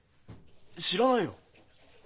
知らないよ。